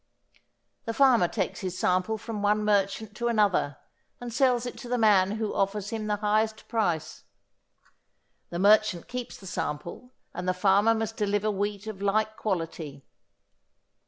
The farmer takes his sample from one merchant to another and sells it to the man who offers him the highest price. The merchant keeps the sample and the farmer must deliver wheat of like quality.